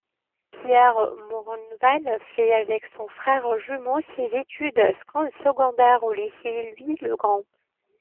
Pierre Mouronval fait avec son frère jumeau ses études secondaires au lycée Louis-le-Grand.